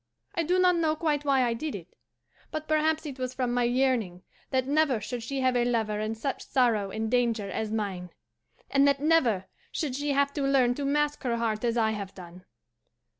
I do not know quite why I did it, but perhaps it was from my yearning that never should she have a lover in such sorrow and danger as mine, and that never should she have to learn to mask her heart as I have done.